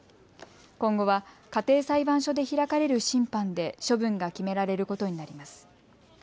今後は家庭裁判所で開かれる審判で処分が決められることになります。